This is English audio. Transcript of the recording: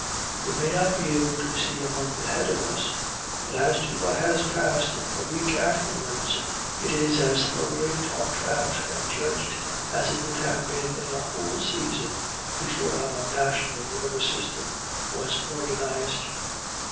We may not be able to see a month ahead of us; but as to what has passed a week afterwards it is as thoroughly talked out and judged as it would have been in a whole season before our national nervous system was organized.